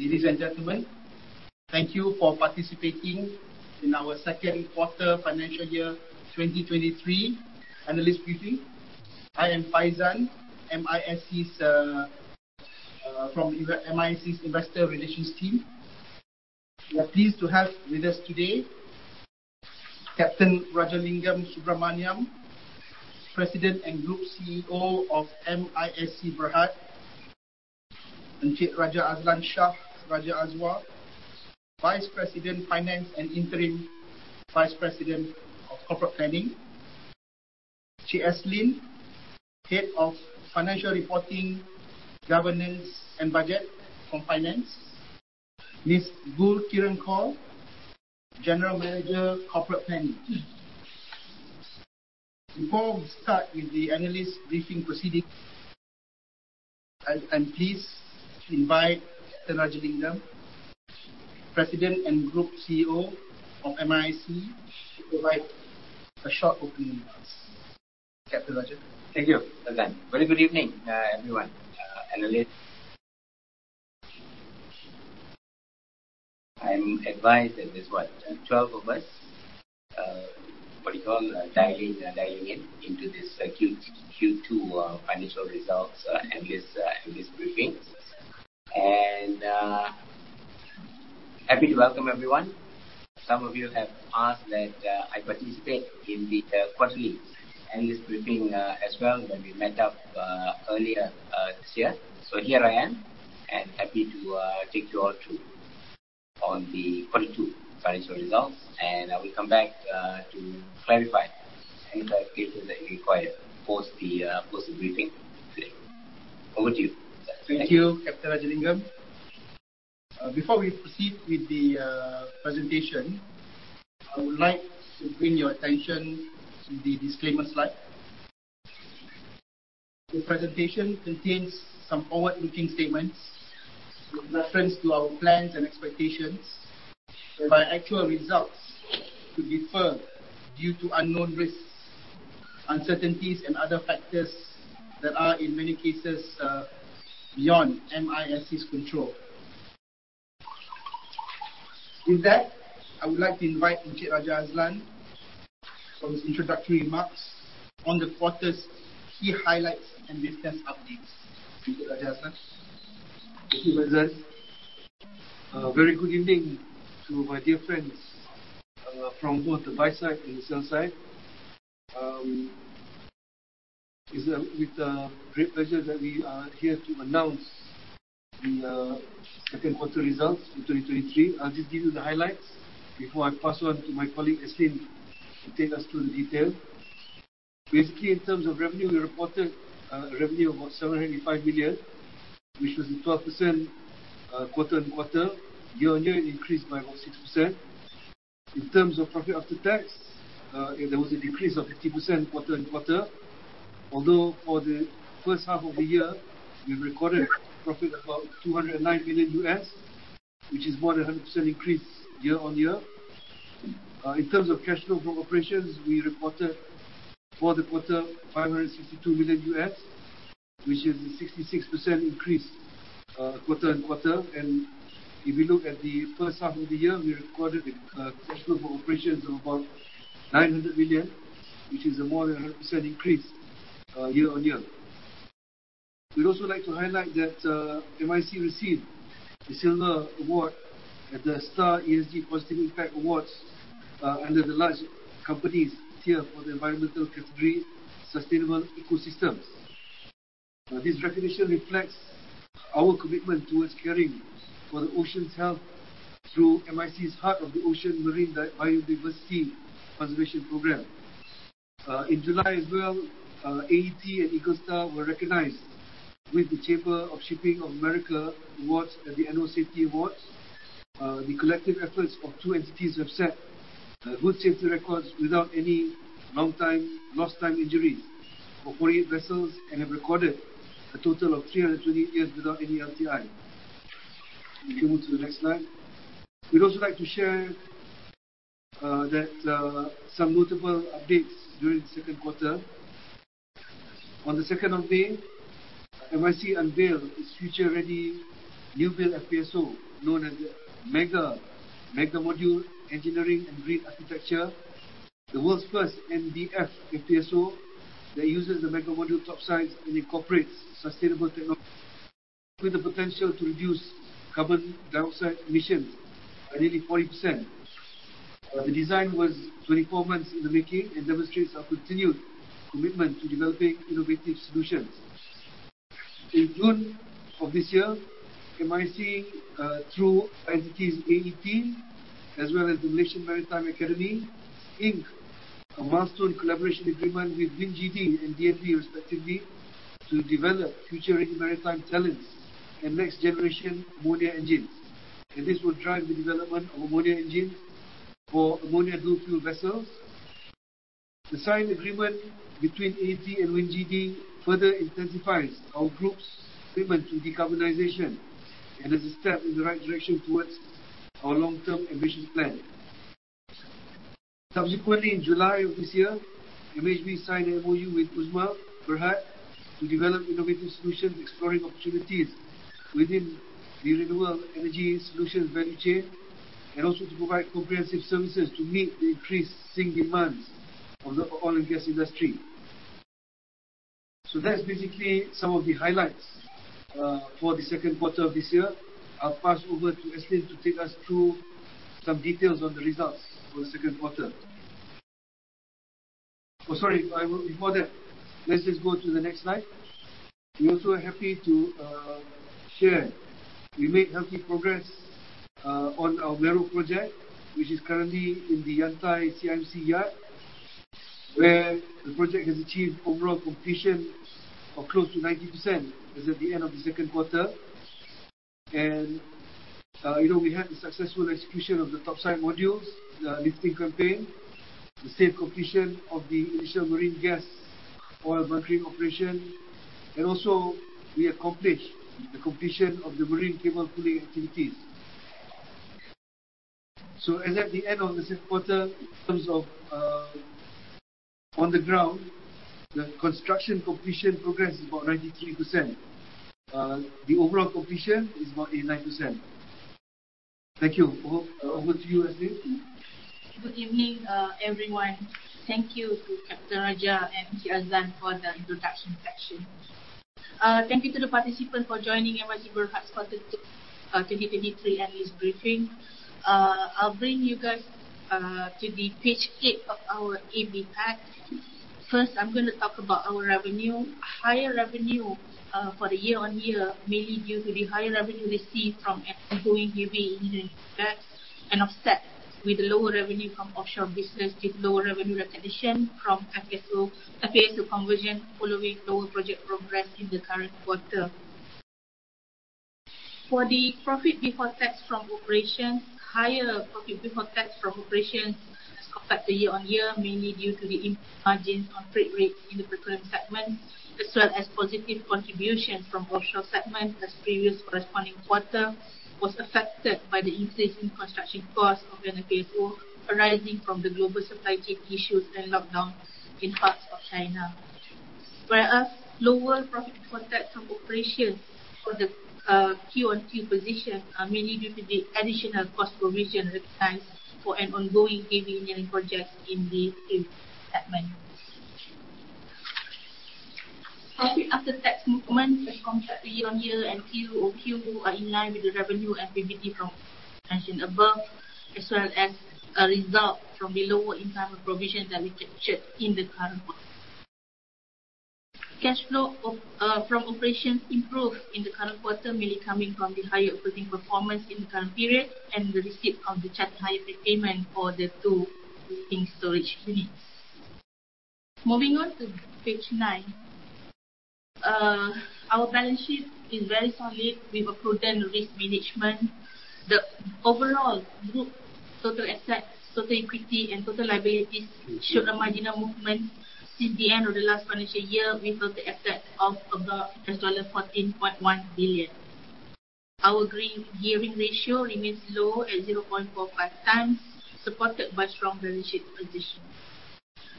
Ladies and gentlemen, thank you for participating in our second quarter financial year 2023 analyst briefing. I am Faizan from MISC's Investor Relations team. We are pleased to have with us today Captain Rajalingam Subramaniam, President and Group CEO of MISC Berhad; Encik Raja Azlan Shah Raja Azwa, Vice President Finance and Interim Vice President of Corporate Planning; Che Eslyn, Head of Financial Reporting, Governance and Budget from Finance; Miss Gulkiran Kaur, General Manager Corporate Planning. Before we start with the analyst briefing proceedings, I'm pleased to invite Captain Rajalingam, President and Group CEO of MISC, to provide a short opening address. Captain Raja. Thank you, Faizan. Very good evening, everyone, analysts. I'm advised that there's what? 12 of us, what do you call them, dialing into this Q2 financial results analyst briefing and happy to welcome everyone. Some of you have asked that I participate in the quarterly analyst briefing as well when we met up earlier this year. Here I am and happy to take you all through on the Q2 financial results and I will come back to clarify any clarifications that you require post the briefing today. Over to you, Faizan. Thank you. Thank you, Captain Rajalingam. Before we proceed with the presentation, I would like to bring your attention to the disclaimer slide. The presentation contains some forward-looking statements with reference to our plans and expectations, whereby actual results could differ due to unknown risks, uncertainties and other factors that are in many cases beyond MISC's control. With that, I would like to invite Encik Raja Azlan for his introductory remarks on the quarter's key highlights and business updates. Encik Raja Azlan. Thank you, Faizan. A very good evening to my dear friends from both the buy side and the sell side. It's with great pleasure that we are here to announce the second quarter results in 2023. I'll just give you the highlights before I pass on to my colleague, Eslyn, to take us through the detail. Basically, in terms of revenue, we reported revenue of about 705 million, which was a 12% quarter-on-quarter. Year-on-year, it increased by about 6%. In terms of profit after tax, there was a decrease of 50% quarter-on-quarter. Although for the first half of the year, we've recorded profit of about $209 million, which is more than 100% increase year-on-year. In terms of cash flow from operations, we reported for the quarter $562 million, which is a 66% increase quarter-on-quarter. If we look at the first half of the year, we recorded a cash flow from operations of about 900 million, which is a more than 100% increase year-on-year. We'd also like to highlight that MISC received the Silver Award at The Star ESG Positive Impact Awards under the large companies tier for the environmental category, sustainable ecosystems. This recognition reflects our commitment towards caring for the ocean's health through MISC's Heart of the Ocean marine biodiversity conservation program. In July as well, AET and EcoStar were recognized with the Chamber of Shipping of America Awards at the Annual Safety Awards. The collective efforts of two entities have set good safety records without any lost-time injuries for 48 vessels and have recorded a total of 320 years without any LTI. We can move to the next slide. We'd also like to share some notable updates during the second quarter. On the 2nd of May, MISC unveiled its future-ready new build FPSO, known as the Mega-Module Engineering and Green Architecture, the world's first MDE-F FPSO that uses the Mega-Module topsides and incorporates sustainable technology with the potential to reduce carbon dioxide emissions by nearly 40%. The design was 24 months in the making and demonstrates our continued commitment to developing innovative solutions. In June of this year, MISC through entities AET as well as the Malaysian Maritime Academy, inked a milestone collaboration agreement with WinGD and DNV respectively to develop future-ready maritime talents and next generation ammonia engines. This will drive the development of ammonia engine for ammonia dual-fuel vessels. The signed agreement between AET and WinGD further intensifies our Group's commitment to decarbonization and is a step in the right direction towards our long-term ambitious plan. Subsequently, in July of this year, MHB signed an MOU with Uzma Berhad to develop innovative solutions exploring opportunities within the renewable energy solutions value chain, and also to provide comprehensive services to meet the increasing demands of the oil and gas industry. That's basically some of the highlights for the second quarter of this year. I'll pass over to Eslyn to take us through some details on the results for the second quarter. Oh, sorry, before that, let's just go to the next slide. We also are happy to share, we made healthy progress on our Mero project, which is currently in the Yantai CIMC yard, where the project has achieved overall completion of close to 90% as at the end of the second quarter. We had the successful execution of the top side modules, the lifting campaign, the safe completion of the initial marine gas oil bundling operation, and also we accomplished the completion of the marine cable pulling activities. As at the end of the second quarter, in terms of on the ground, the construction completion progress is about 93%. The overall completion is about 89%. Thank you. Over to you, Eslyn. Good evening, everyone. Thank you to Captain Raja and T Azlan for the introduction section. Thank you to the participants for joining MISC Berhad's quarter 2023 analyst briefing. I'll bring you guys to the page eight of our AB pack. First, I'm going to talk about our revenue. Higher revenue for the year-on-year, mainly due to the higher revenue received from an ongoing heavy unit and offset with the lower revenue from offshore business with lower revenue recognition from FPSO conversion following lower project progress in the current quarter. For the profit before tax from operations, higher profit before tax from operations as compared to year-on-year, mainly due to the improved margins on freight rate in the petroleum segment, as well as positive contribution from offshore segment as previous corresponding quarter was affected by the increase in construction cost of an FPSO arising from the global supply chain issues and lockdowns in parts of China. Whereas lower profit before tax from operations for the quarter-on-quarter position are mainly due to the additional cost provision recognized for an ongoing heavy unit project in the heavy unit segment. Profit after tax movement as compared to year-on-year and quarter-over-quarter are in line with the revenue and PBT prompt mentioned above, as well as a result from the lower impairment provision that we captured in the current quarter. Cash flow from operations improved in the current quarter, mainly coming from the higher operating performance in the current period and the receipt of the charter hire payment for the two floating storage units. Moving on to page nine. Our balance sheet is very solid with a prudent risk management. The overall group total assets, total equity, and total liabilities showed a marginal movement since the end of the last financial year with total asset of about AUD 14.1 billion. Our gearing ratio remains low at 0.45 times, supported by strong generation positions.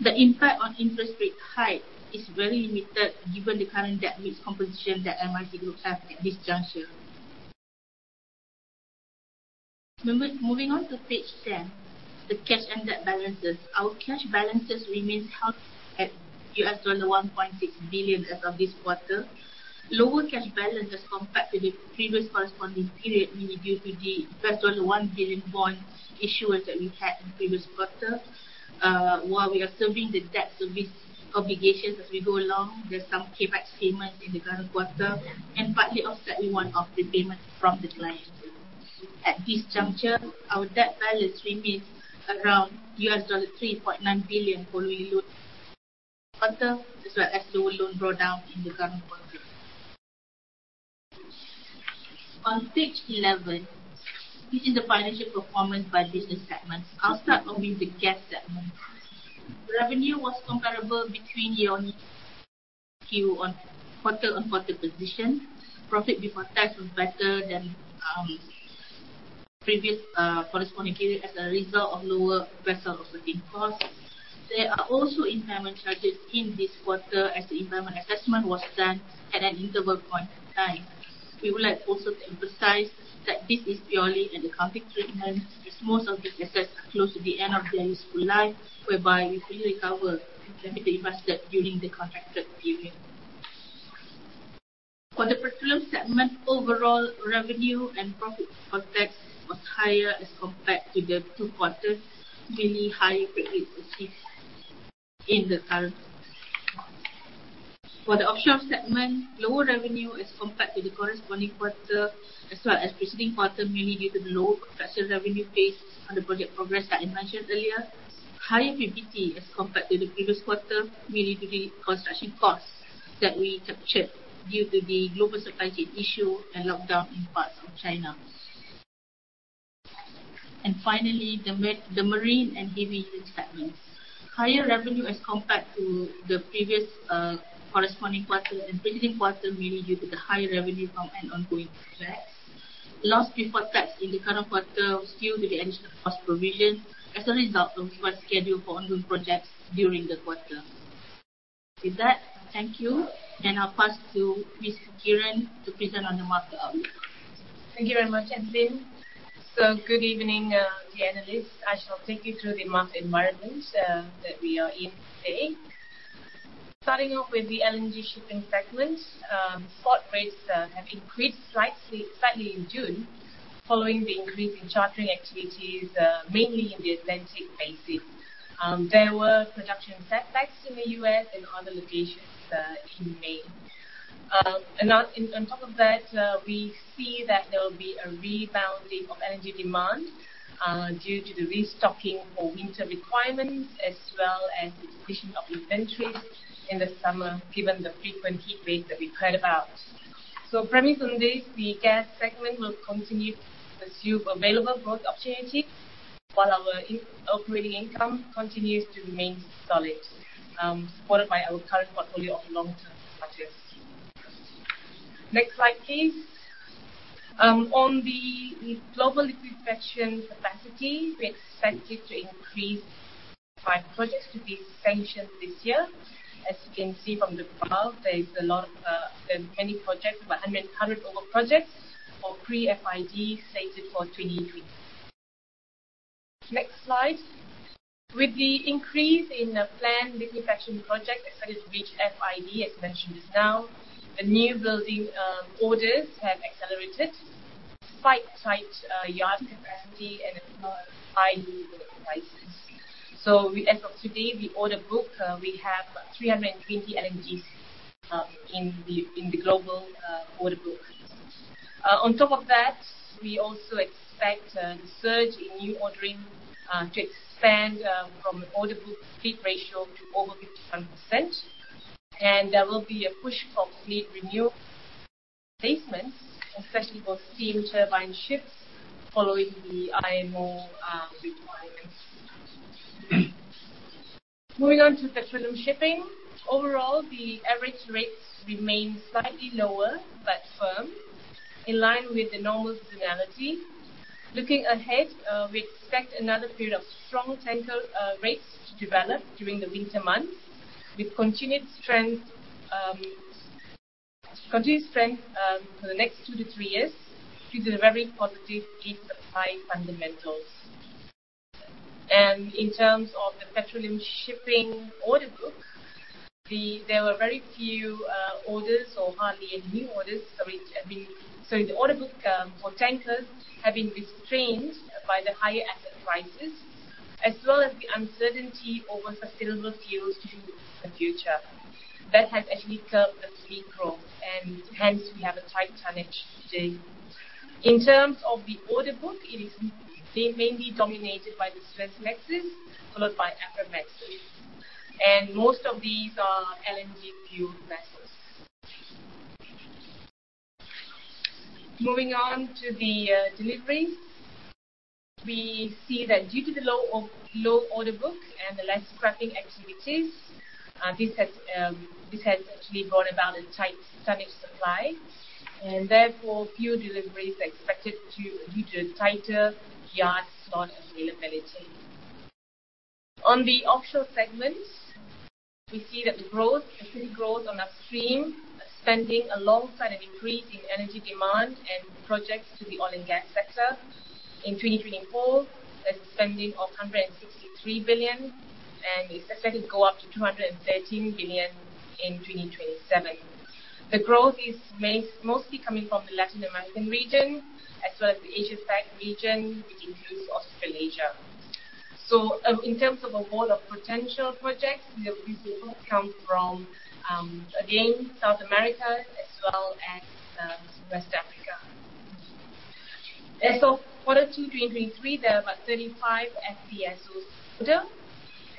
The impact on interest rate hike is very limited given the current debt mix composition that MISC Group have at this juncture. Moving on to page 10, the cash and debt balances. Our cash balances remains healthy at $1.6 billion as of this quarter. Lower cash balance as compared to the previous corresponding period, mainly due to the $1 billion bonds issuance that we had in the previous quarter. While we are serving the debt service obligations as we go along, there's some payback payments in the current quarter, and partly offset with one of the payments from the client. At this juncture, our debt balance remains around $3.9 billion following loan quarter, as well as lower loan drawdown in the current quarter. On page 11, this is the financial performance by business segment. I'll start off with the gas segment. Revenue was comparable between year-on-year, quarter-on-quarter position. Profit before tax was better than previous corresponding period as a result of lower vessel operating costs. There are also impairment charges in this quarter as the impairment assessment was done at an interval point in time. We would like also to emphasize that this is purely an accounting treatment as most of the assets are close to the end of their useful life, whereby we fully recover the accumulated amortized during the contracted period. For the petroleum segment, overall revenue and profit before tax was higher as compared to the two quarters, mainly high freight rate observed in the current quarter. For the offshore segment, lower revenue as compared to the corresponding quarter, as well as preceding quarter, mainly due to the lower construction revenue pace on the project progress that I mentioned earlier. Higher PBT as compared to the previous quarter, mainly due to construction costs that we captured due to the global supply chain issue and lockdown in parts of China. Finally, the marine and heavy unit segments. Higher revenue as compared to the previous corresponding quarter and preceding quarter, mainly due to the higher revenue from an ongoing project Loss before tax in the current quarter was due to the additional cost provision as a result of work scheduled for ongoing projects during the quarter. With that, thank you. I'll pass to Miss Kiran to present on the market outlook. Thank you very much, Asslin. Good evening, the analysts. I shall take you through the market environment that we are in today. Starting off with the LNG shipping segment, spot rates have increased slightly in June following the increase in chartering activities, mainly in the Atlantic basin. There were production setbacks in the U.S. and other locations in May. On top of that, we see that there will be a rebounding of energy demand due to the restocking for winter requirements as well as the depletion of inventories in the summer given the frequent heat waves that we've heard about. Premise on this, the gas segment will continue to pursue available growth opportunities while our operating income continues to remain solid, supported by our current portfolio of long-term charters. Next slide, please. On the global liquefaction capacity, we expected to increase five projects to be sanctioned this year. As you can see from the graph, there are many projects, about 100 over projects for pre-FID slated for 2023. Next slide. With the increase in planned liquefaction projects expected to reach FID, as mentioned just now, the new building orders have accelerated, despite tight yard capacity and high building prices. As of today, the order book, we have 320 LNGs in the global order book. On top of that, we also expect the surge in new ordering to expand from the order book fleet ratio to over 55%. There will be a push for fleet renewal replacements, especially for steam turbine ships, following the IMO requirements. Moving on to petroleum shipping. Overall, the average rates remain slightly lower but firm, in line with the normal seasonality. Looking ahead, we expect another period of strong tanker rates to develop during the winter months, with continued strength for the next two to three years due to the very positive fleet supply fundamentals. In terms of the petroleum shipping order book, there were very few orders or hardly any new orders. The order book for tankers has been restrained by the higher asset prices as well as the uncertainty over sustainable fuels into the future. That has actually curbed the fleet growth and hence we have a tight tonnage today. In terms of the order book, it is mainly dominated by the Suezmaxes, followed by Aframaxes. Most of these are LNG-fueled vessels. Moving on to the deliveries. We see that due to the low order book and the less scrapping activities, this has actually brought about a tight tonnage supply, and therefore few deliveries are expected due to tighter yard slot availability. On the offshore segment, we see that the growth on upstream spending alongside an increase in energy demand and projects to the oil and gas sector. In 2024, there is a spending of 163 billion, and it is expected to go up to 213 billion in 2027. The growth is mostly coming from the Latin American region as well as the Asia Pac region, which includes Australasia. In terms of award of potential projects, the increase will come from, again, South America as well as West Africa. As of quarter two 2023, there are about 35 FPSOs on order,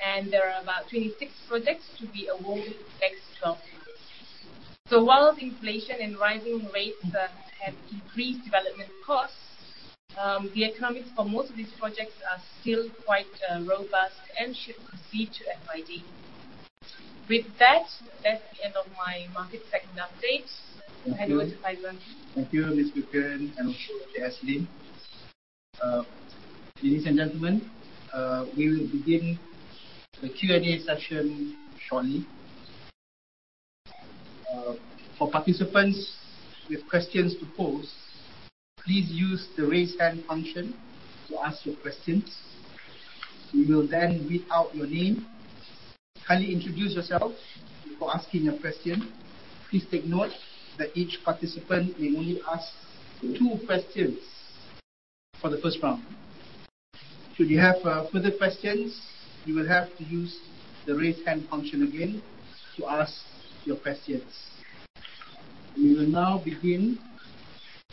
and there are about 26 projects to be awarded in the next 12 months. While the inflation and rising rates have increased development costs, the economics for most of these projects are still quite robust and should proceed to FID. With that is the end of my market segment updates. Hand over to Faizan. Thank you, Miss Kiran, and also to Asslin. Ladies and gentlemen, we will begin the Q&A session shortly. For participants with questions to pose, please use the raise hand function to ask your questions. We will read out your name. Kindly introduce yourself before asking your question. Please take note that each participant may only ask two questions for the first round. Should you have further questions, you will have to use the raise hand function again to ask your questions. We will now begin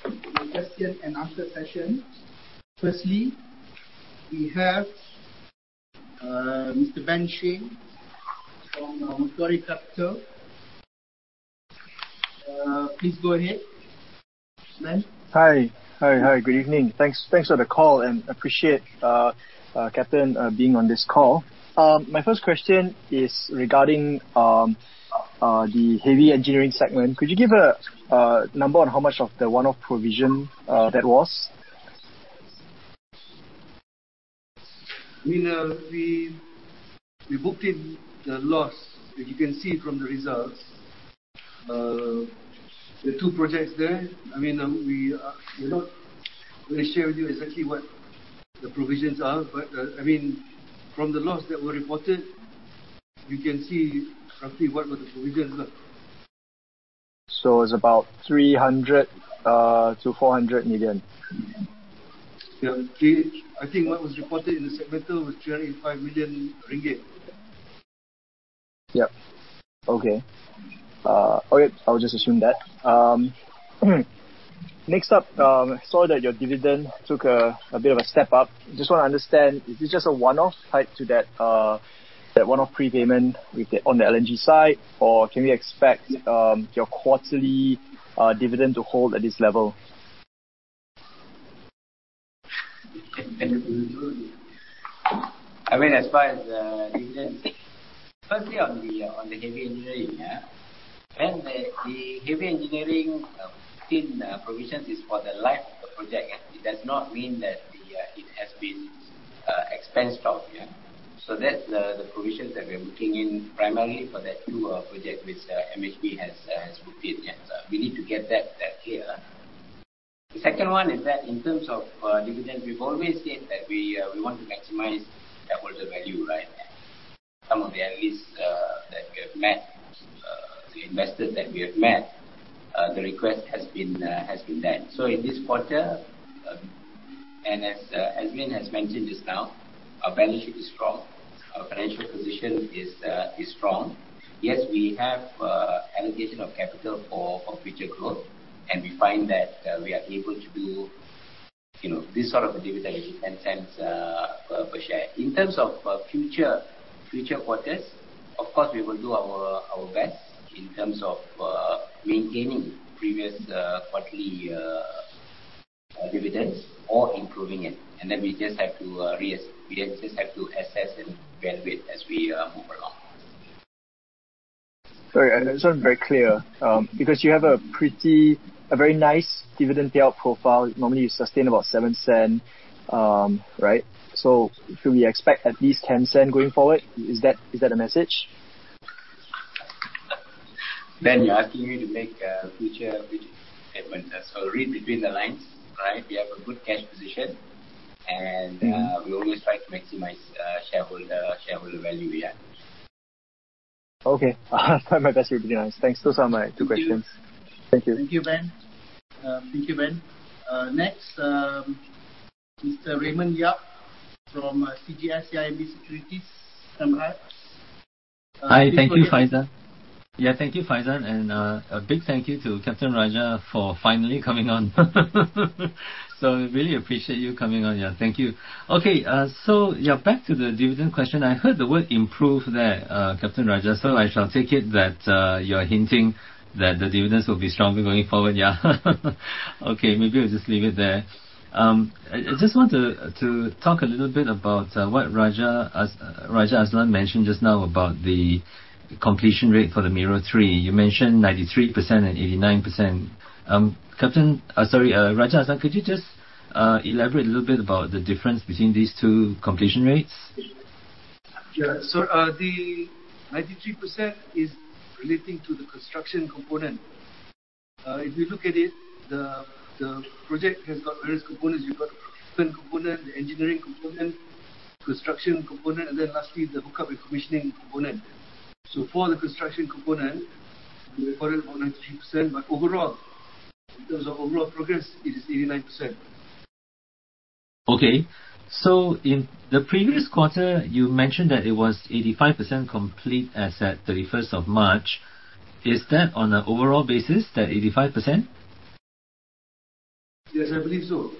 the question and answer session. Firstly, we have Mr. Ben Sheng from Motilal Capital. Please go ahead, Ben. Hi, good evening. Thanks for the call, and appreciate Captain being on this call. My first question is regarding the heavy engineering segment. Could you give a number on how much of the one-off provision that was? I mean, we booked in the loss, as you can see from the results, the two projects there. We're not going to share with you exactly what the provisions are, but from the loss that was reported, you can see roughly what were the provisions there. It's about 300 million-400 million. Yeah. I think what was reported in the segment was 385 million ringgit. Yep. Okay. All right, I will just assume that. Next up, I saw that your dividend took a bit of a step up. Just want to understand, is this just a one-off tied to that one-off prepayment on the LNG side, or can we expect your quarterly dividend to hold at this level? I mean, as far as the dividend, firstly on the heavy engineering. When the heavy engineering team provisions is for the life of the project, it does not mean that it has been expensed off. That's the provisions that we're booking in primarily for that new project which MHB has booked in. We need to get that clear. The second one is that in terms of dividends, we've always said that we want to maximize the shareholder value. Some of the analysts that we have met, the investors that we have met, the request has been done. In this quarter, and as Vin has mentioned just now, our balance sheet is strong, our financial position is strong. Yes, we have allocation of capital for future growth, and we find that we are able to do this sort of a dividend, which is MYR 0.10 per share. In terms of future quarters, of course, we will do our best in terms of maintaining previous quarterly dividends or improving it, we just have to assess and evaluate as we move along. Sorry, this one very clear. You have a very nice dividend payout profile. Normally, you sustain about 0.07. Should we expect at least 0.10 going forward? Is that the message? Ben, you're asking me to make a future statement. Read between the lines. We have a good cash position, and we always try to maximize shareholder value. Yeah. Okay. I'll try my best to read the lines. Thanks. Those are my two questions. Thank you. Thank you. Thank you, Ben. Thank you, Ben. Mr. Raymond Yap from CGS-CIMB Securities. Stand by. Hi, thank you, Faizan. Yeah, thank you, Faizan, and a big thank you to Captain Raja for finally coming on. Really appreciate you coming on. Thank you. Back to the dividend question. I heard the word improve there, Captain Raja, I shall take it that you are hinting that the dividends will be stronger going forward, yeah. Maybe I'll just leave it there. I just want to talk a little bit about what Raja Azlan mentioned just now about the completion rate for the Mero 3. You mentioned 93% and 89%. Raja Azlan, could you just elaborate a little bit about the difference between these two completion rates? Yeah. The 93% is relating to the construction component. If you look at it, the project has got various components. You've got the procurement component, the engineering component, construction component, and then lastly, the hookup and commissioning component. For the construction component, we reported about 93%, but in terms of overall progress, it is 89%. Okay. In the previous quarter, you mentioned that it was 85% complete as at 31st of March. Is that on an overall basis, that 85%? Yes, I believe so.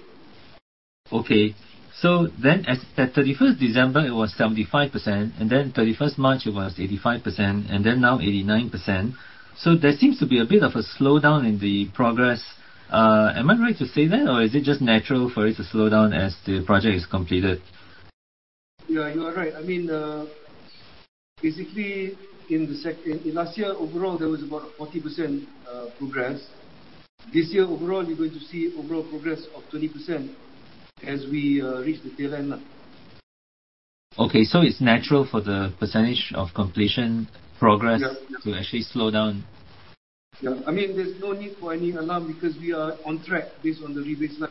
Okay. At 31st December, it was 75%, and then 31st March it was 85%, and then now 89%. There seems to be a bit of a slowdown in the progress. Am I right to say that, or is it just natural for it to slow down as the project is completed? Yeah, you are right. Basically, in last year overall, there was about 40% progress. This year, overall, you're going to see overall progress of 20% as we reach the tail end. Okay, it's natural for the percentage of completion progress- Yeah to actually slow down. Yeah. There's no need for any alarm because we are on track based on the revisement.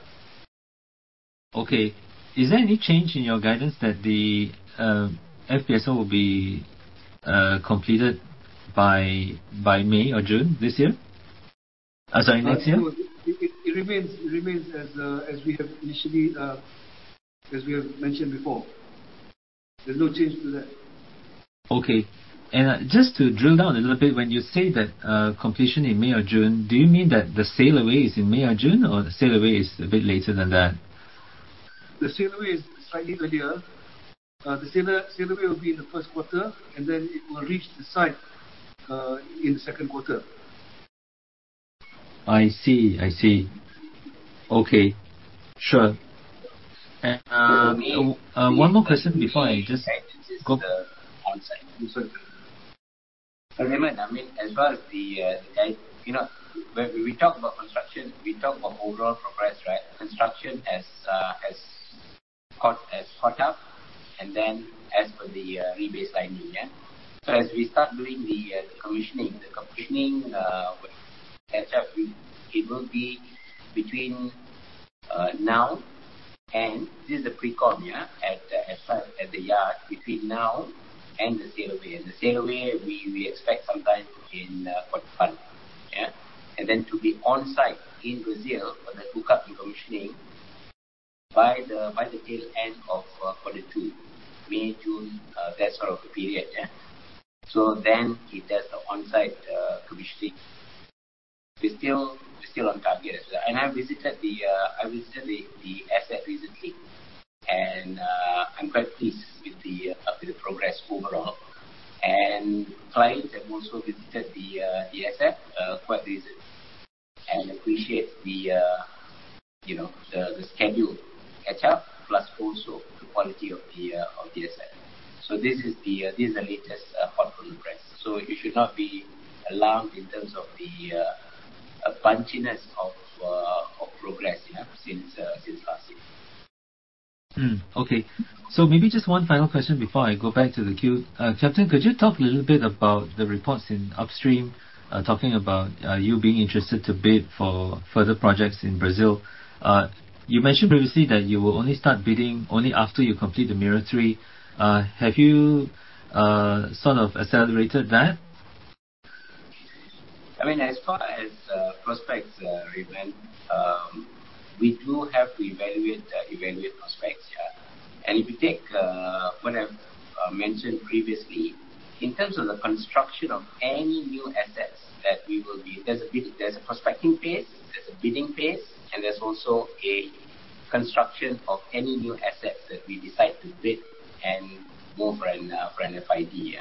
Okay. Is there any change in your guidance that the FPSO will be completed by May or June this year? Sorry, next year. It remains as we have mentioned before. There's no change to that. Okay. Just to drill down a little bit, when you say that completion in May or June, do you mean that the sail away is in May or June, or the sail away is a bit later than that? The sail away is slightly earlier. The sail away will be in the first quarter, and then it will reach the site in the second quarter. I see. Okay, sure. One more question before I just go- This is the onsite Raymond, as well as when we talk about construction, we talk about overall progress, right? Construction has caught up and then as per the rebaselining. As we start doing the commissioning, the commissioning it will be between now, and this is the precom at the yard between now and the sail away. The sail away, we expect sometime in quarter one. To be on-site in Brazil for the hookup and commissioning by the tail end of quarter two, May, June, that sort of period. It does the on-site commissioning. We're still on target. I visited the asset recently, and I'm quite pleased with the progress overall. Clients have also visited the asset quite recent and appreciate the schedule catch-up, plus also the quality of the asset. This is the latest on progress. You should not be alarmed in terms of the punchiness of progress since last year. Okay. Maybe just one final question before I go back to the queue. Captain, could you talk a little bit about the reports in upstream, talking about you being interested to bid for further projects in Brazil? You mentioned previously that you will only start bidding only after you complete the Mero 3. Have you sort of accelerated that? As far as prospects, Raymond, we do have to evaluate prospects. If you take what I've mentioned previously, in terms of the construction of any new assets There's a prospecting phase, there's a bidding phase, and there's also a construction of any new assets that we decide to bid and go for an FID.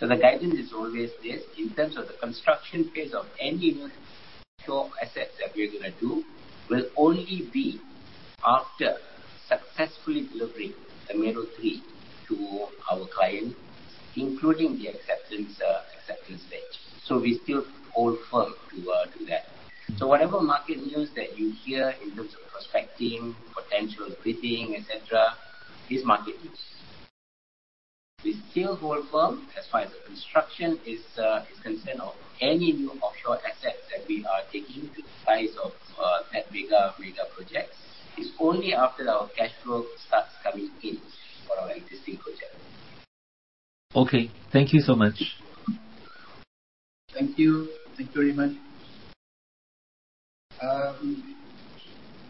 The guidance is always this. In terms of the construction phase of any new offshore assets that we're going to do will only be after successfully delivering the Mero 3 to our client, including the acceptance stage. We still hold firm to that. Whatever market news that you hear in terms of prospecting, potential bidding, et cetera, is market news. We still hold firm as far as the construction is concerned of any new offshore assets that we are taking to the size of that mega projects. It's only after our cash flow starts coming in for our existing projects. Okay. Thank you so much. Thank you. Thank you, Raymond.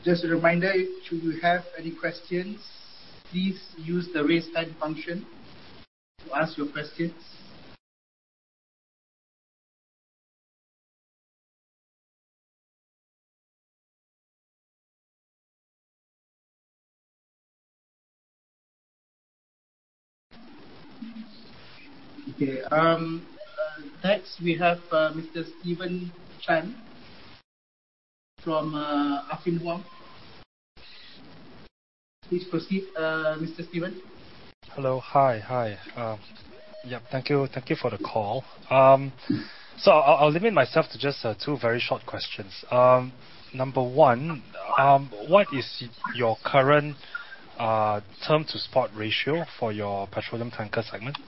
Just a reminder, should you have any questions, please use the raise hand function to ask your questions. Okay. Next we have Mr. Steven Chan from Affin Hwang. Please proceed, Mr. Steven. Hello. Hi. Thank you for the call. I'll limit myself to just two very short questions. Number one, what is your current term to spot ratio for your petroleum tanker segment?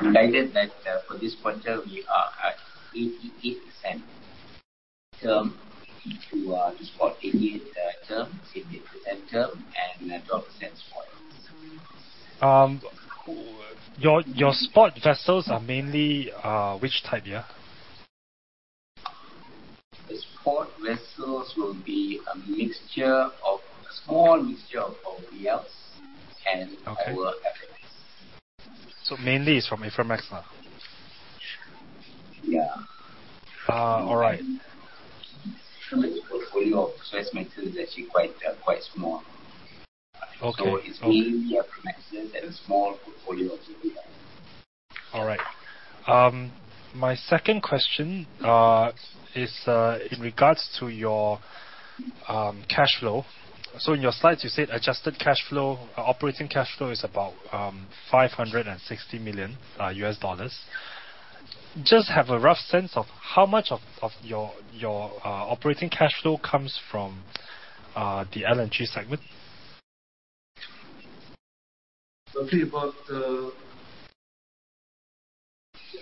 I'm guided that for this quarter we are at 88% term to spot, 88% term and 12% spot. Your spot vessels are mainly which type? The spot vessels will be a small mixture of VLCCs and our Aframaxes. Okay. Mainly it's from Aframax. Yeah. All right. The portfolio of Suezmax is actually quite small. Okay. It's mainly Aframaxes and a small portfolio of VLCC. All right. My second question is in regards to your cash flow. In your slides you said adjusted cash flow, operating cash flow is about MYR 560 million. Just have a rough sense of how much of your operating cash flow comes from the LNG segment? I think about 40%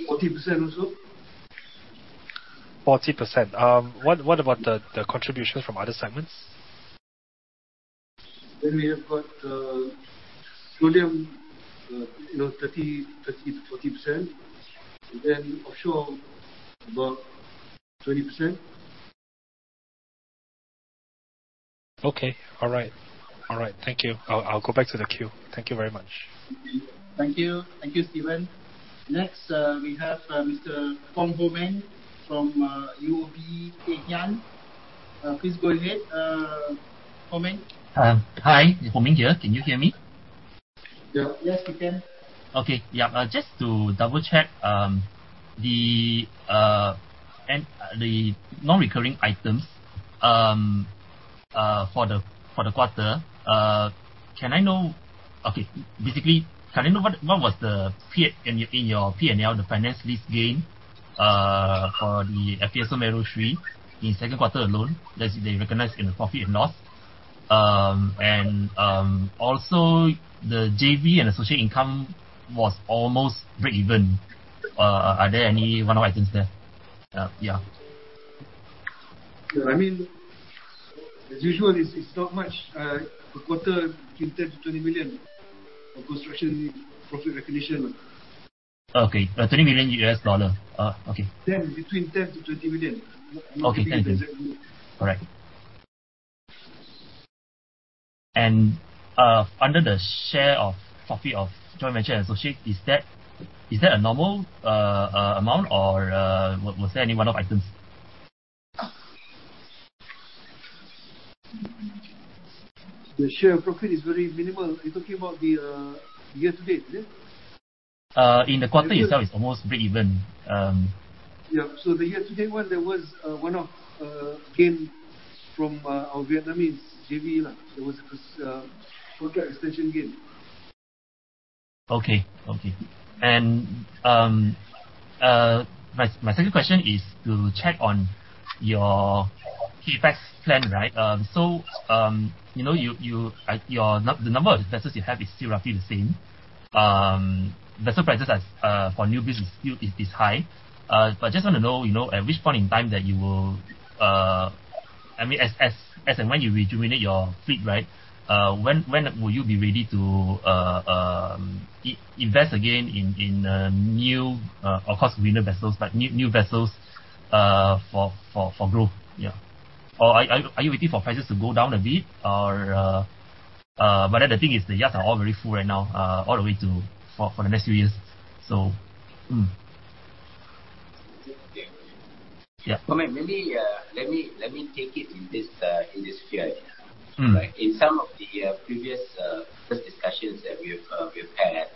or so. 40%. What about the contributions from other segments? We have got petroleum, 30%-40%, and offshore about 20%. Okay. All right. Thank you. I'll go back to the queue. Thank you very much. Okay. Thank you. Thank you, Steven. Next, we have Mr. Fong Ho Man from UOB Kay Hian. Please go ahead, Ho Man. Hi, Ho Man here. Can you hear me? Yes, you can. Okay. Just to double-check the non-recurring items for the quarter, can I know what was in your P&L, the finance lease gain for the FPSO Mero Three in the second quarter alone that they recognized in the profit and loss? Also the JV and associate income was almost breakeven. Are there any one-off items there? As usual, it's not much. Per quarter, between 10 million-20 million of construction profit recognition. Okay. $20 million U.S. dollar. Okay. Between 10 million-20 million. Okay. All right. Under the share of profit of joint venture associates, is that a normal amount or was there any one-off items? The share profit is very minimal. You're talking about the year to date, is it? In the quarter itself, it's almost breakeven. Yeah. The year to date one, there was one gain from our Vietnamese JV. There was a contract extension gain. Okay. My second question is to check on your CapEx plan. The number of investors you have is still roughly the same. Vessel prices for new build is high. Just want to know, at which point in time that you will-- As and when you rejuvenate your fleet. When will you be ready to invest again in new, of course greener vessels, but new vessels for growth? Are you waiting for prices to go down a bit? The thing is the yards are all very full right now, all the way for the next few years. Okay. Yeah. Maybe let me take it in this sphere. In some of the previous discussions that we've had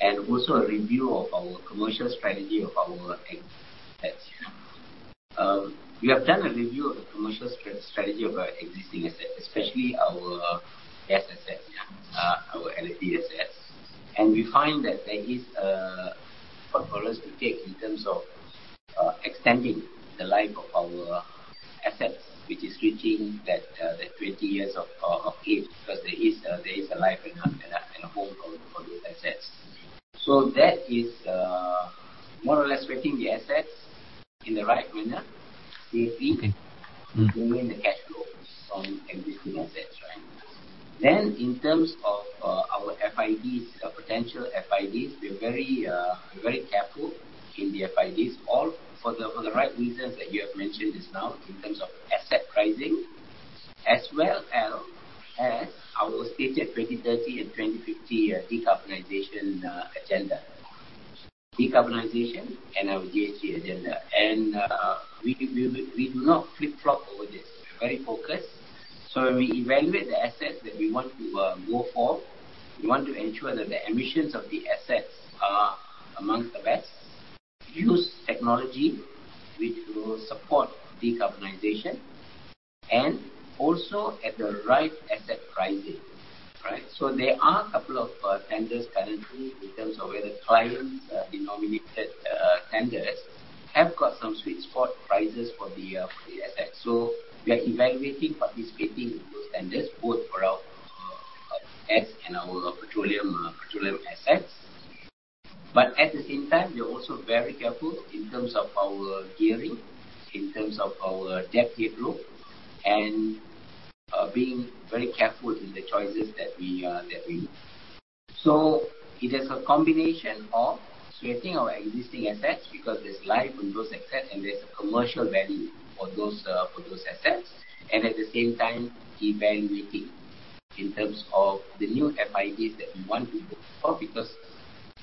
and also a review of our commercial strategy of our existing assets. We have done a review of the commercial strategy of our existing assets, especially our gas assets, our LNG assets. We find that there is a preference to take in terms of extending the life of our assets, which is reaching that 20 years of age because there is a life and a home for those assets. That is more or less sweating the assets in the right manner. Okay maintaining the cash flows on existing assets. In terms of our potential FIDs, we are very careful in the FIDs all for the right reasons that you have mentioned just now in terms of asset pricing, as well as our stated 2030 and 2050 decarbonization agenda, decarbonization and our GHG agenda. We do not flip-flop over this. We are very focused. When we evaluate the assets that we want to go for, we want to ensure that the emissions of the assets are amongst the best, use technology which will support decarbonization and also at the right asset pricing. There are a couple of tenders currently in terms of whether clients denominated tenders have got some sweet spot prices for the assets. We are evaluating participating in those tenders both for our gas and our petroleum assets. At the same time, we are also very careful in terms of our gearing, in terms of our debt headroom and being very careful in the choices that we make. It is a combination of sweating our existing assets because there's life on those assets and there's a commercial value for those assets. At the same time, evaluating in terms of the new FIDs that we want to go for because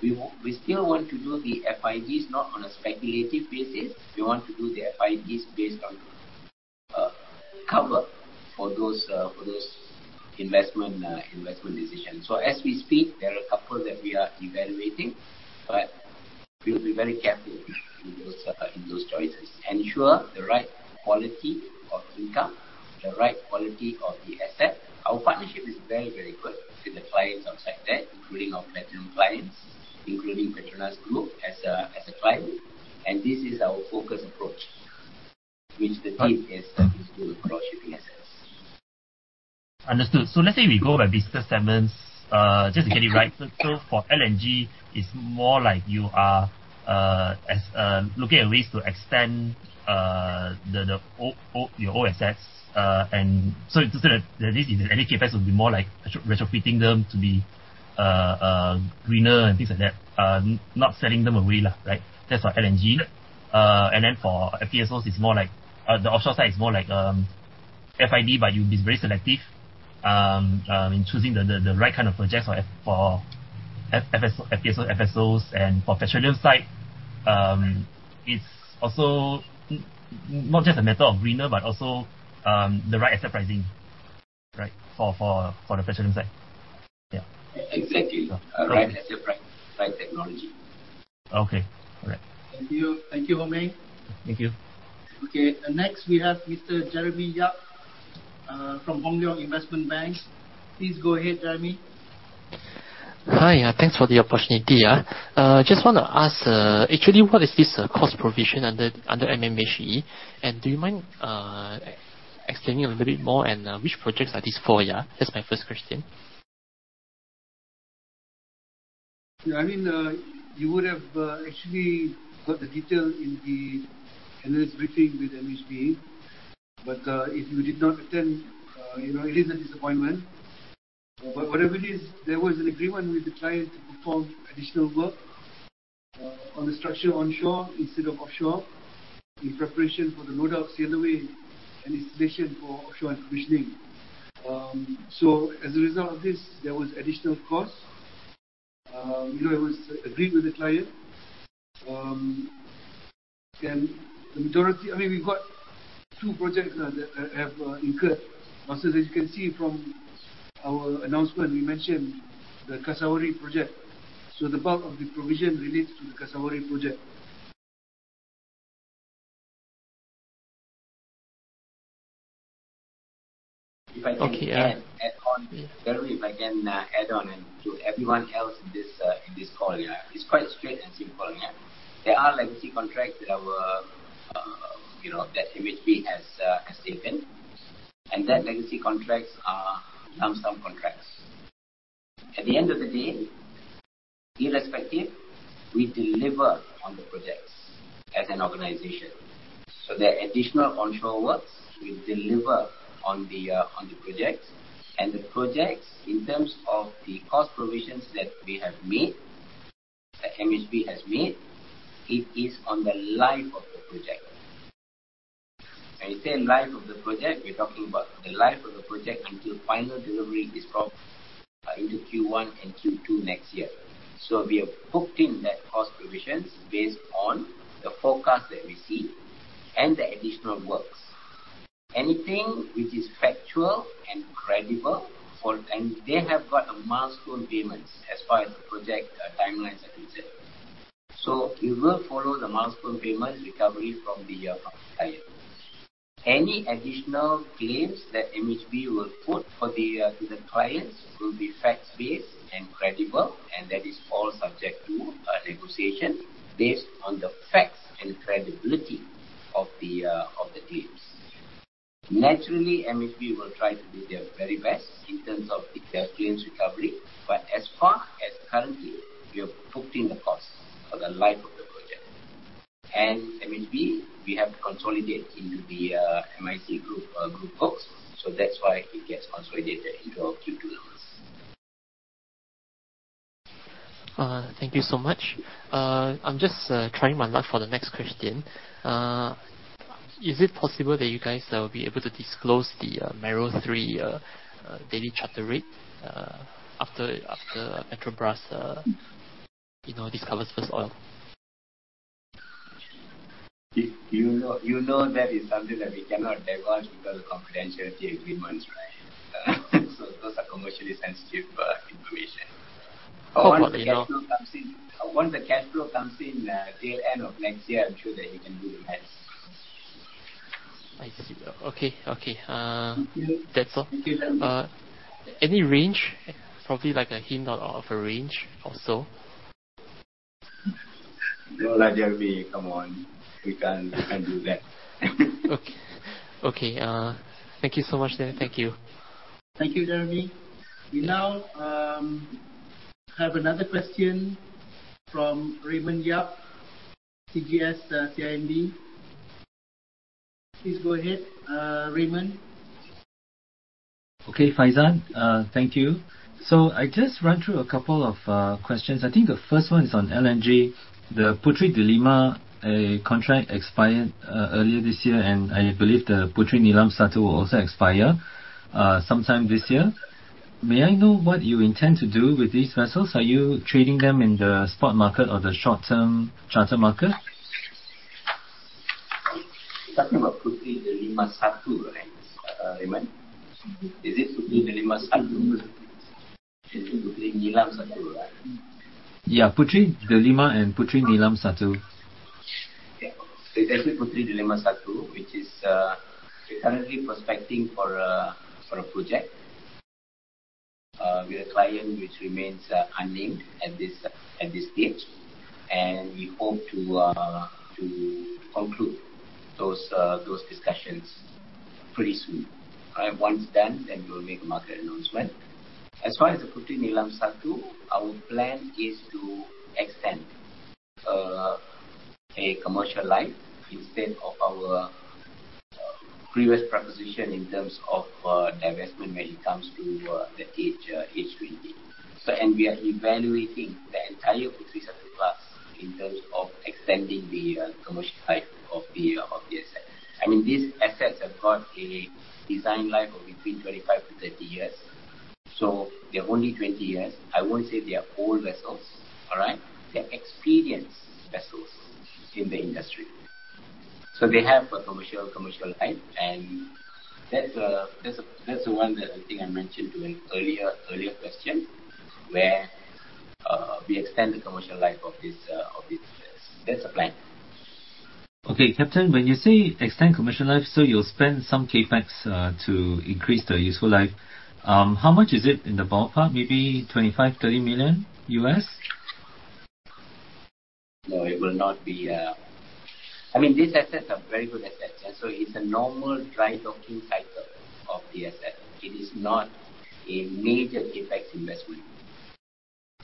we still want to do the FIDs not on a speculative basis. We want to do the FIDs based on cover for those investment decisions. As we speak, there are a couple that we are evaluating. We'll be very careful in those choices. Ensure the right quality of income, the right quality of the asset. Our partnership is very, very good with the clients outside there, including our platinum clients, including PETRONAS Group as a client. This is our focused approach, which the team is into approaching assets. Understood. Let's say we go by business segments, just to get it right. For LNG, it's more like you are looking at ways to extend your old assets. To say that any CapEx will be more like retrofitting them to be greener and things like that, not selling them away. That's for LNG. Yeah. For FPSOs, the offshore side is more like FID, but you'll be very selective in choosing the right kind of projects for FSOs, and for petroleum site, it's also not just a matter of greener, but also the right asset pricing. Right? For the petroleum site. Yeah. Exactly. Right asset price, right technology. Okay. All right. Thank you. Thank you, Hong Lei. Thank you. Okay. Next, we have Mr. Jeremie Yap from Hong Leong Investment Bank. Please go ahead, Jeremie. Hi. Thanks for the opportunity. Just want to ask, actually, what is this cost provision under MHB? Do you mind explaining a little bit more, and which projects are these for? That's my first question. I mean, you would have actually got the detail in the analyst briefing with MHB. If you did not attend, it is a disappointment. Whatever it is, there was an agreement with the client to perform additional work on the structure onshore instead of offshore in preparation for the load outs the other way and installation for offshore provisioning. As a result of this, there was additional cost. It was agreed with the client. I mean, we got two projects that have incurred. As you can see from our announcement, we mentioned the Kasawari project. The bulk of the provision relates to the Kasawari project. Okay. If I can add on, Jeremie, if I can add on to everyone else in this call. It's quite straight and simple. There are legacy contracts that MHB has assumed, and that legacy contracts are lump sum contracts. At the end of the day, irrespective, we deliver on the projects as an organization. There are additional onshore works we deliver on the projects, and the projects, in terms of the cost provisions that we have made, that MHB has made, it is on the life of the project. When we say life of the project, we're talking about the life of the project until final delivery is prompt into Q1 and Q2 next year. We have booked in that cost provisions based on the forecast that we see and the additional works. Anything which is factual and credible. They have got a milestone payments as far as the project timelines are concerned. It will follow the milestone payment recovery from the client. Any additional claims that MHB will put to the clients will be fact-based and credible, and that is all subject to negotiation based on the facts and credibility of the claims. Naturally, MHB will try to do their very best in terms of their claims recovery. As far as currently, we have booked in the cost for the life of the project. MHB, we have consolidated into the MISC Group books. That's why it gets consolidated into our Q2 numbers. Thank you so much. I'm just trying my luck for the next question. Is it possible that you guys will be able to disclose the Mero 3 daily charter rate after Petrobras discovers first oil? You know that is something that we cannot divulge because of confidentiality agreements, right? Those are commercially sensitive information. Oh, okay. Once the cash flow comes in the end of next year, I'm sure that you can do the math. I see. Okay. That's all. Thank you, Jeremy. Any range? Probably like a hint of a range or so? No, Jeremy, come on. We can't do that. Okay. Thank you so much then. Thank you. Thank you, Jeremie. We now have another question from Raymond Yap, CGS-CIMB. Please go ahead, Raymond. Okay, Faizan. Thank you. I'll just run through a couple of questions. I think the first one is on LNG. The Puteri Delima contract expired earlier this year, and I believe the Puteri Nilam Satu will also expire sometime this year. May I know what you intend to do with these vessels? Are you trading them in the spot market or the short-term charter market? You're talking about Puteri Delima Satu, right, Raymond? Is it Puteri Delima Satu? Is it Puteri Nilam Satu? Yeah. Puteri Delima and Puteri Nilam Satu. Yeah. It is the Puteri Delima Satu, which is currently prospecting for a project with a client which remains unnamed at this stage. We hope to conclude those discussions pretty soon. All right? Once done, we will make a market announcement. As far as the Puteri Nilam Satu, our plan is to extend a commercial life instead of our previous proposition in terms of divestment when it comes to the H2O. We are evaluating Entirely up to 37 class in terms of extending the commercial life of the asset. These assets have got a design life of between 25 to 30 years, so they're only 20 years. I won't say they are old vessels. All right? They're experienced vessels in the industry. They have a commercial life and that's the one that I think I mentioned during earlier question, where we extend the commercial life of this asset. That's the plan. Okay, Captain, when you say extend commercial life, you'll spend some CapEx to increase the useful life. How much is it in the ballpark? Maybe $25 million-$30 million? No, it will not be. These assets are very good assets. It's a normal dry docking cycle of the asset. It is not a major CapEx investment.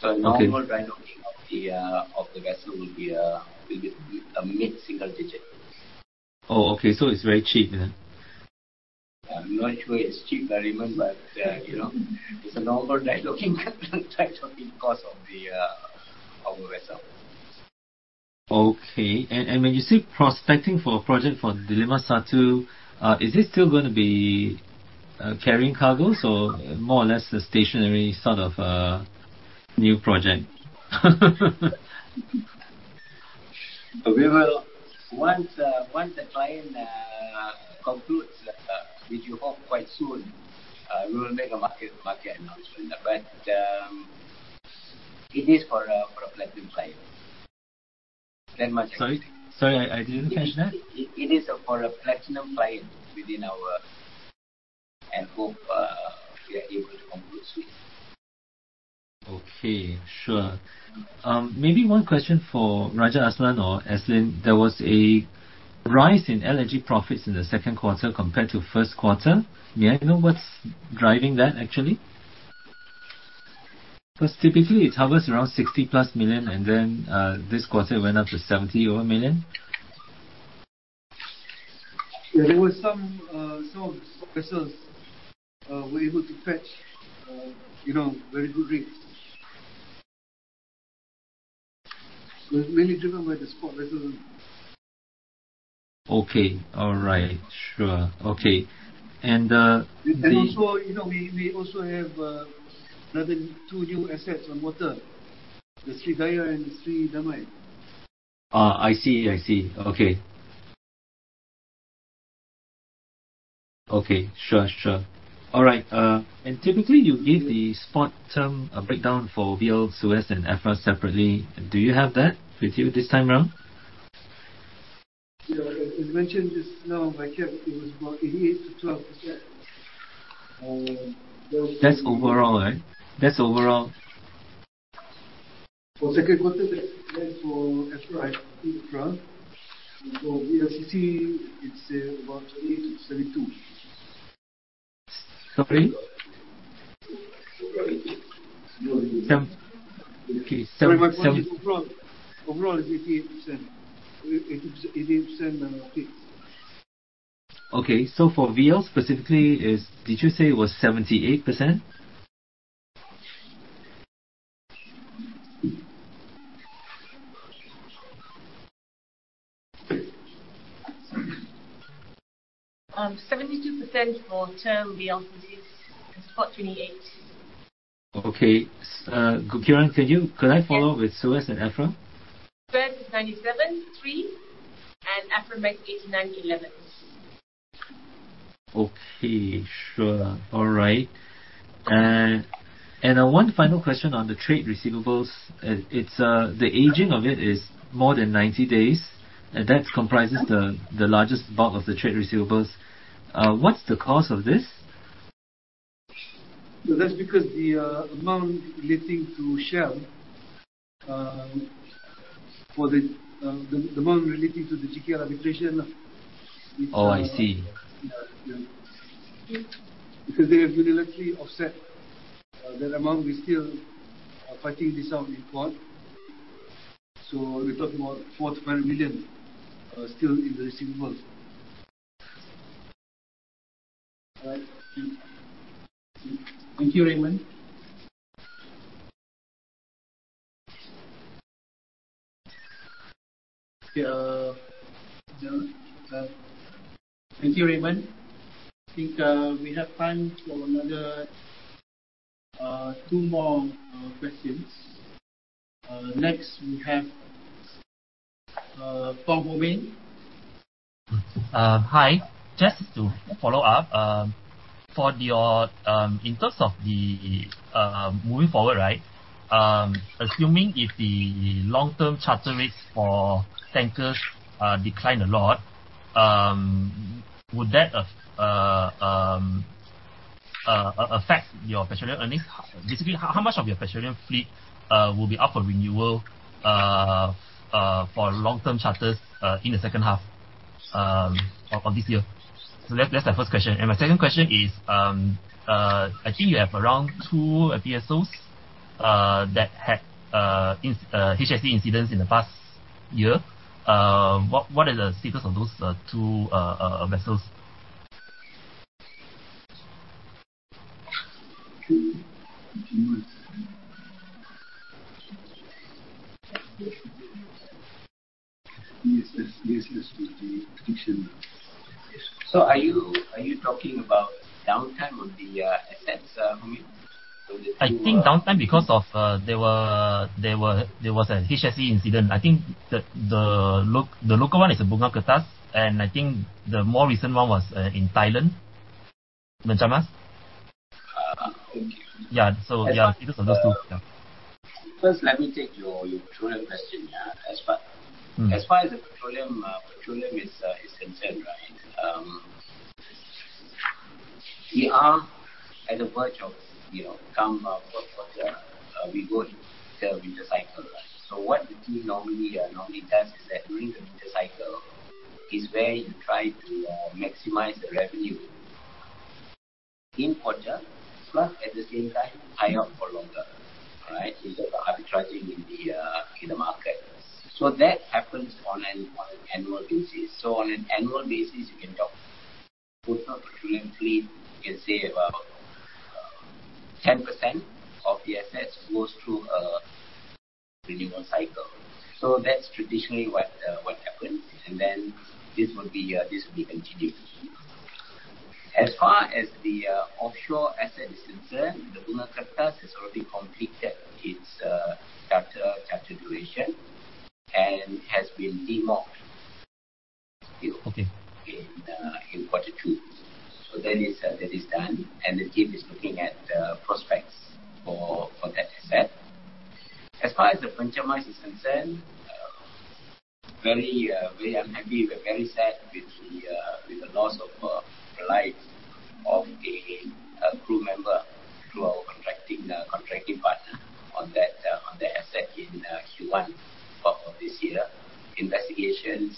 Okay. A normal dry docking of the vessel will be mid single digits. Okay. It's very cheap then? I'm not sure it's cheap, Raymond. It's a normal dry docking cost of our vessel. Okay. When you say prospecting for a project for Delima Satu, is it still going to be carrying cargo or more or less a stationary sort of a new project? Once the client concludes, which we hope quite soon, we will make a market announcement. It is for a platinum client. That much I can say. Sorry, I didn't catch that. It is for a platinum client within our. Hope we are able to conclude soon. Okay. Sure. Maybe one question for Raja Azlan or Eslyn. There was a rise in LNG profits in the second quarter compared to first quarter. May I know what's driving that actually? Because typically it hovers around 60 million plus and then this quarter it went up to 70 million over. Yeah. There was some vessels were able to fetch very good rates. It was mainly driven by the spot vessels. Okay. All right. Sure. Okay. Also, we also have another two new assets on water. The Seri Daya and Seri Damai. Oh, I see. Okay. Sure. All right. Typically you give the spot term a breakdown for VL, Suez, and Afram separately. Do you have that with you this time around? Yeah. As mentioned just now by Cap, it was about 88%-12%. That's overall, right? For second quarter that's for Aframax. For VLCC, it's about 20%-32%. Sorry. Overall it's 88% fleet. Okay. For VL specifically, did you say it was 78%? 72% for term VL fleet and spot 28%. Okay. Gokiran, could I follow with Suez and Afram? Suez is 97/3, and Afram is 89/11. Okay. Sure. All right. One final question on the trade receivables. The aging of it is more than 90 days, and that comprises the largest bulk of the trade receivables. What's the cause of this? That's because the amount relating to Shell for the amount relating to the GKL arbitration. Oh, I see. Yeah. Because they have unilaterally offset that amount. We're still fighting this out in court. We're talking about 4 million-5 million still in the receivables. All right. Thank you, Raymond. Thank you, Raymond. I think we have time for another two more questions. Next we have Tom Bomin. Hi. Just to follow up. In terms of the moving forward, assuming if the long-term charter rates for tankers decline a lot, would that affect your professional earnings? Basically, how much of your professional fleet will be up for renewal for long-term charters in the second half of this year? That's the first question. My second question is, I think you have around two FPSOs that had HSE incidents in the past year. What is the status of those two vessels? Okay. Continue with Yes, this will be prediction. Are you talking about downtime on the assets, Ho Ming? I think downtime because there was an HSE incident. I think the local one is the Bunga Kertas, and I think the more recent one was in Thailand. Benchamas. Okay. Yeah. Because of those two. Yeah. First, let me take your petroleum question. As far as the petroleum is concerned, we are at the verge of coming out of, we go into the winter cycle. What the team normally does is that during the winter cycle is where you try to maximize the revenue in quarter, plus at the same time tie up for longer. Right? It's about arbitraging in the market. That happens on an annual basis. On an annual basis, you can talk total petroleum fleet, you can say about 10% of the assets goes through a renewal cycle. That's traditionally what happens, and then this would be continuity. As far as the offshore asset is concerned, the Bunga Kertas has already completed its charter duration and has been demobbed still. Okay In quarter two. That is done, and the team is looking at the prospects for that asset. As far as the Benchamas is concerned, very unhappy. We are very sad with the loss of the life of a crew member through our contracting partner on that asset in Q1 of this year. Investigations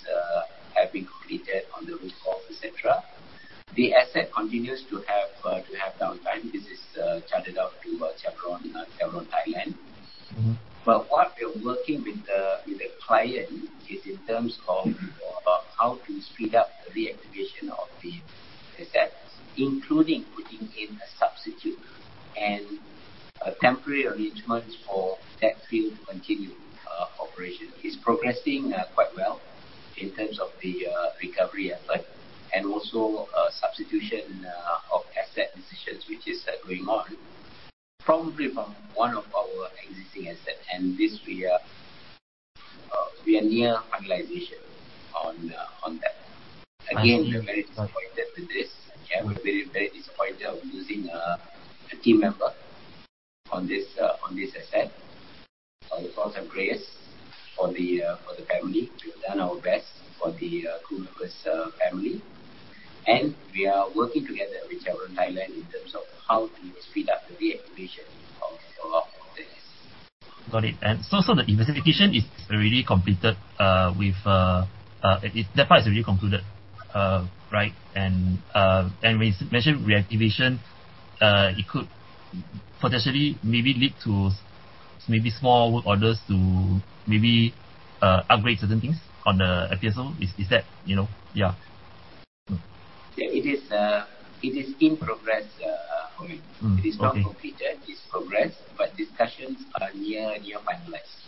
have been completed on the root cause, et cetera. The asset continues to have downtime. This is chartered out to Chevron Thailand. What we are working with the client is in terms of how to speed up the reactivation of the assets, including putting in a substitute and temporary arrangements for that field to continue operation. It's progressing quite well in terms of the recovery aspect and also substitution of asset decisions, which is going on. Probably from one of our existing assets. This we are near finalization on that. Again, we are very disappointed with this. We are very disappointed of losing a team member on this asset. Our thoughts and prayers for the family. We have done our best for the crew member's family, and we are working together with Chevron Thailand in terms of how to speed up the reactivation of this. Got it. The investigation is already completed, that part is already concluded. Right. When you mentioned reactivation, it could potentially maybe lead to maybe small work orders to maybe upgrade certain things on the FPSO. Is that, yeah. Yeah, it is in progress, Ho Ming. Okay. It is not completed. It's progress, discussions are near finalized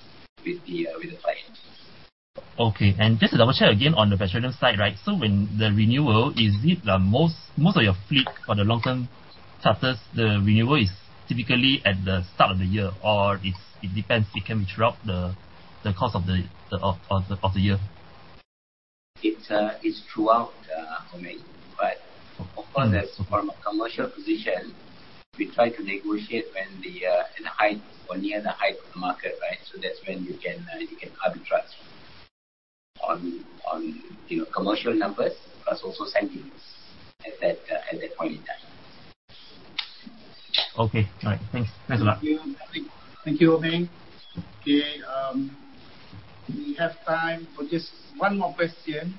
with the client. Okay. Just to double-check again on the petroleum side, right? When the renewal, most of your fleet on the long-term charters, the renewal is typically at the start of the year or it depends, it can be throughout the course of the year? It's throughout, Ho Ming, of course, as from a commercial position, we try to negotiate at the height or near the height of the market, right? That's when you can arbitrage on your commercial numbers plus also signings at that point in time. Okay. All right. Thanks. Thanks a lot. Thank you, Ho Ming. Okay, we have time for just one more question.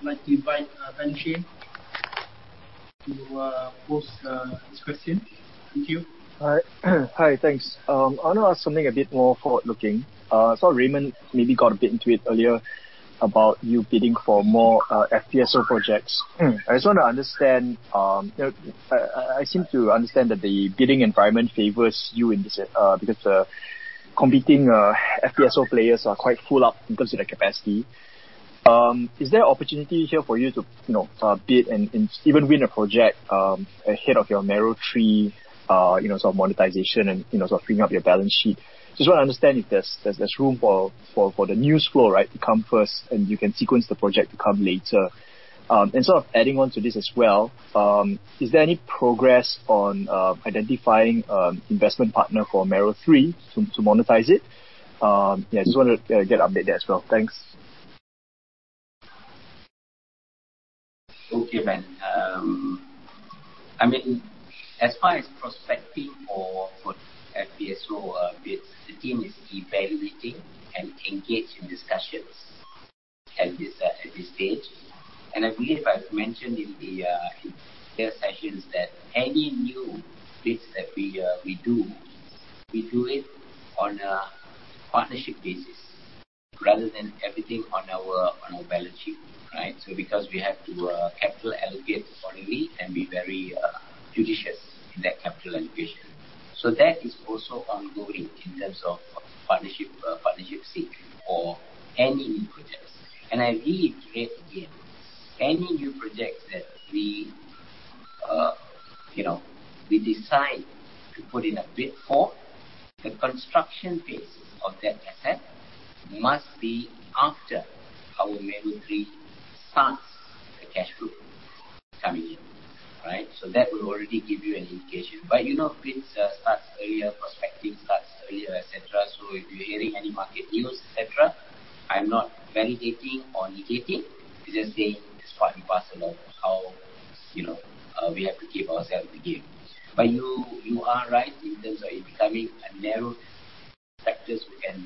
I'd like to invite Ben Sheng to pose his question. Thank you. Hi. Thanks. I want to ask something a bit more forward-looking. Saw Raymond maybe got a bit into it earlier about you bidding for more FPSO projects. I just want to understand, I seem to understand that the bidding environment favors you in this because competing FPSO players are quite full up in terms of their capacity. Is there opportunity here for you to bid and even win a project ahead of your Mero 3 monetization and sort of freeing up your balance sheet? Just want to understand if there's room for the news flow to come first, and you can sequence the project to come later. Sort of adding on to this as well, is there any progress on identifying investment partner for Mero 3 to monetize it? Yeah, just wanted to get an update there as well. Thanks. Okay, Ben. As far as prospecting for FPSO bids, the team is evaluating and engaged in discussions at this stage. I believe I've mentioned in the share sessions that any new bids that we do, we do it on a partnership basis. Rather than everything on our balance sheet. Because we have to capital allocate accordingly and be very judicious in that capital allocation. That is also ongoing in terms of partnership seek or any new projects. I reiterate again, any new projects that we decide to put in a bid for, the construction phase of that asset must be after our Mero 3 starts the cash flow coming in. That will already give you an indication. Bids start earlier, prospecting starts earlier, et cetera. If you're hearing any market news, et cetera, I'm not validating or negating, just saying this is what we pass along how we have to keep ourselves in the game. You are right in terms of it becoming a narrow sectors we can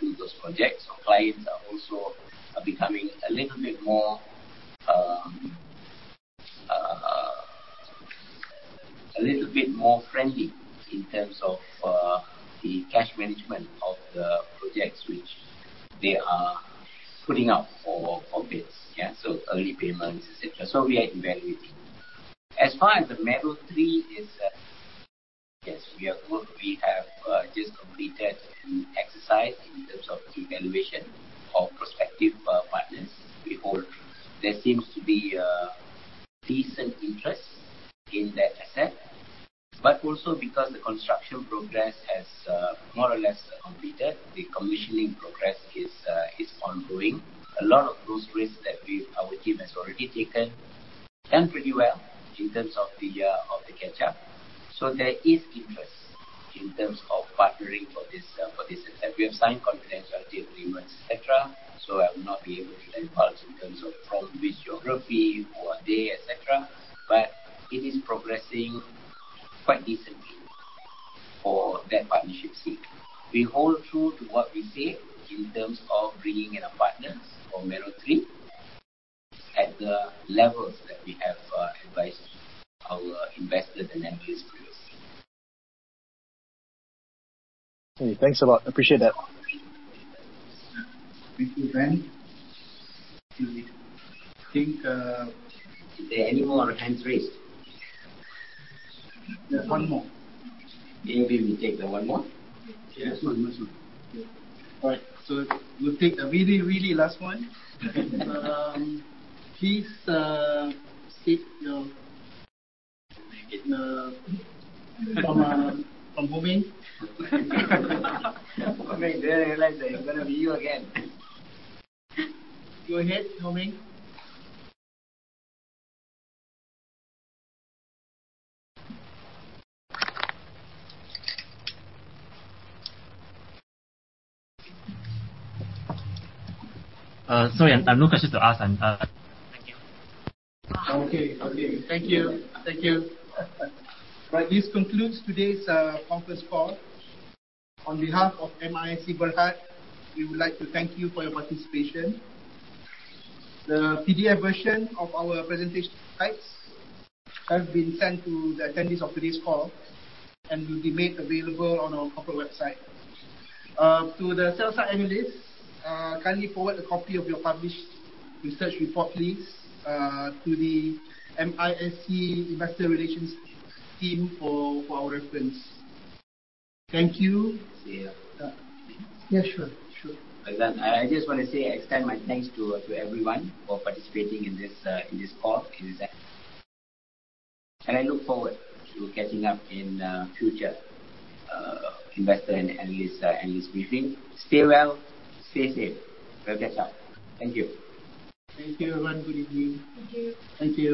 do those projects. Clients are also becoming a little bit more friendly in terms of the cash management of the projects which they are putting out for bids. Early payments, et cetera. As far as the Mero 3 is, yes, we have just completed an exercise in terms of evaluation of prospective partners. We hold true. There seems to be a decent interest in that asset, but also because the construction progress has more or less completed, the commissioning progress is ongoing. There is interest in terms of partnering for this asset. We have signed confidentiality agreements, et cetera, so I will not be able to divulge in terms of from which geography or day, et cetera. It is progressing quite decently for that partnership seek. We hold true to what we say in terms of bringing in our partners for Mero 3 at the levels that we have advised our investors and analysts previously. Hey, thanks a lot. Appreciate that. Thank you, Ben. Is there any more hands raised? There's one more. Maybe we take the one more. Yes. Last one. All right, we'll take the really last one. Okay. Please state your name. It's from Ho Ming. Ho Ming, didn't realize that it's going to be you again. Go ahead, Ho Ming. Sorry, I've no questions to ask. Thank you. Okay. Thank you. Right. This concludes today's conference call. On behalf of MISC Berhad, we would like to thank you for your participation. The PDF version of our presentation slides has been sent to the attendees of today's call and will be made available on our corporate website. To the sell-side analysts, kindly forward a copy of your published research report, please, to the MISC Investor Relations team for our reference. Thank you. See you. Yeah, sure. I just want to say I extend my thanks to everyone for participating in this call and this exercise. I look forward to catching up in future investor and analyst briefing. Stay well, stay safe. We'll catch up. Thank you. Thank you, everyone. Good evening. Thank you. Thank you